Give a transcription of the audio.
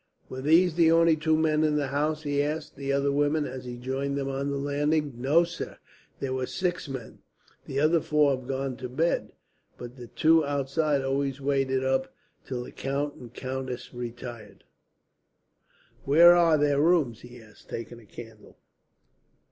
"Were these the only two men in the house?" he asked the other women, as he joined them on the landing. "No, sir. There were six men. The other four have gone to bed, but the two outside always waited up till the count and countess retired." "Where are their rooms?" he asked, taking a candle.